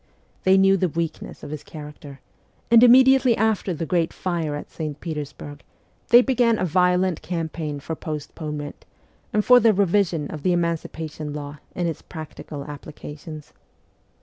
They knew the weakness of his character, and immediately after the great fire at St. Petersburg they began a violent campaign for post ponement, and for the revision of the emancipation law in its practical applications.